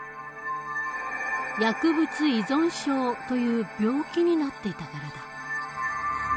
薬物依存症という病気になっていたからだ。